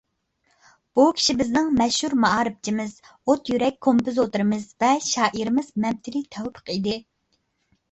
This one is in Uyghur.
بۇ كىشى بىزنىڭ مەشھۇر مائارىپچىمىز، ئوت يۈرەك كومپوزىتورىمىز ۋە شائىرىمىز مەمتىلى تەۋپىق ئىدى.